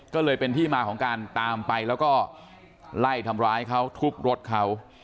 ก็เลยเป็นที่มาของการตามไปแล้วก็ไล่ทำร้ายเขาทุบรถเขา